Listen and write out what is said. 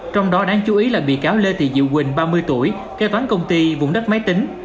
trong đó đáng chú ý là bị cáo lê thị diệu quỳnh ba mươi tuổi kế toán công ty vùng đất máy tính